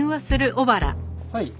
はい。